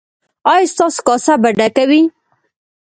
ایا ستاسو کاسه به ډکه وي؟